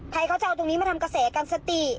ใครเขาจะเอาตรงนี้มาทำกระแสกันสติ